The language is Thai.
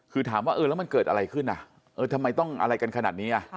คือถามว่าเออแล้วมันเกิดอะไรขึ้นอ่ะเออทำไมต้องอะไรกันขนาดนี้